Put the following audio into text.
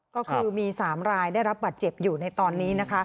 ก็คือมี๓รายได้รับบัตรเจ็บอยู่ในตอนนี้นะคะ